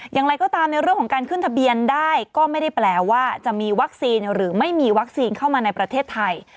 อย่างไรก็ตามในเรื่องของการขึ้นทะเบียนได้ก็ไม่ได้แปลว่าจะมีวัคซีนหรือไม่มีวัคซีนเข้ามาในประเทศไทย